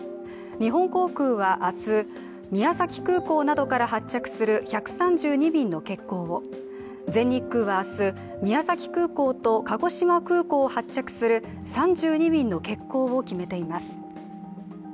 日本航空は明日、宮崎空港などから発着する１３２便の欠航を全日空は明日宮崎空港と鹿児島空港を発着する３２便の欠航を決めています。